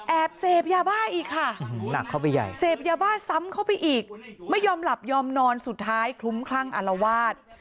แอบเสพยาบ้าอีกค่ะเสพยาบ้าซ้ำเข้าไปอีกไม่ยอมหลับยอมนอนสุดท้ายคลุ้มคลั่งอารวาส